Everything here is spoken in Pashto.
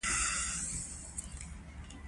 مځکه د ساتنې اړتیا لري.